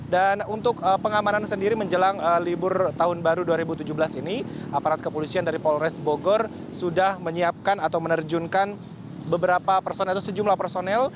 dan untuk pengamanan sendiri menjelang libur tahun baru dua ribu tujuh belas ini aparat kepolisian dari polres bogor sudah menyiapkan atau menerjunkan beberapa personel atau sejumlah personel